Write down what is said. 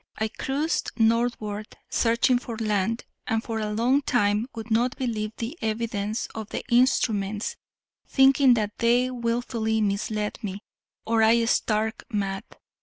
I cruised northward, searching for land, and for a long time would not believe the evidence of the instruments, thinking that they wilfully misled me, or I stark mad.